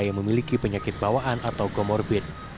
yang memiliki penyakit bawaan atau komorbid